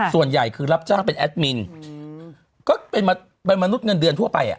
ส่วนใหญ่คือรับจ้างเป็นแอดมินก็เป็นมนุษย์เงินเดือนทั่วไป